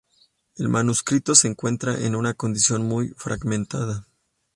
El manuscrito se encuentra en una condición muy fragmentada.